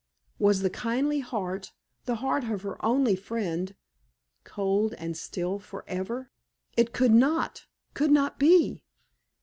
Was the kindly heart the heart of her only friend cold and still forever? It could not could not be!